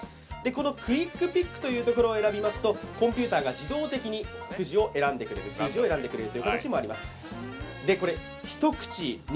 このクイックピックというところを選びますとコンピューターが自動的に数字を選んでくれるという機能もあります。